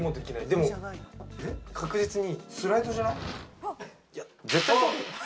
でも確実にスライドじゃない？